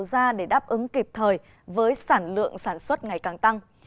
tạo ra để đáp ứng kịp thời với sản lượng sản xuất ngày càng tăng